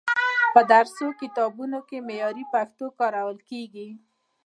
په درسي کتابونو کې معیاري پښتو کارول کیږي.